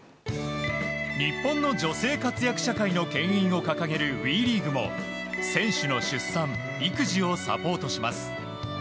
日本の女性活躍社会の牽引を掲げるＷＥリーグも選手の出産・育児をサポートします。